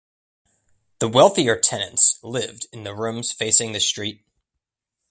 The wealthier tenants lived in the rooms facing the street.